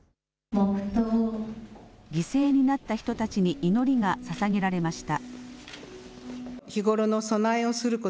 犠牲になった人たちに祈りがささげられました。